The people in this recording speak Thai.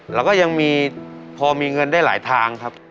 แล้วก็ยังมีพอมีเงินได้หลายทางครับ